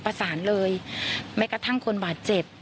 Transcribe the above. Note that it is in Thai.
ประสานเลยแม้กระทั่งคนบาดเจ็บ